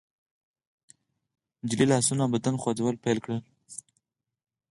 نجلۍ لاسونه او بدن خوځول پيل کړل.